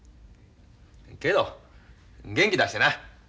けど元気出してな。